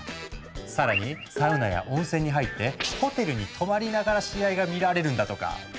更にサウナや温泉に入ってホテルに泊まりながら試合が見られるんだとか。